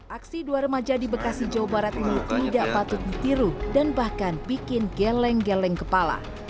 aksi dua remaja di bekasi jawa barat ini tidak patut ditiru dan bahkan bikin geleng geleng kepala